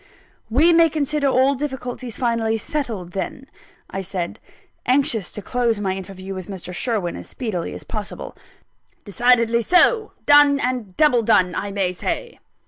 "We may consider all difficulties finally settled then," I said, anxious to close my interview with Mr. Sherwin as speedily as possible. "Decidedly so. Done, and double done, I may say.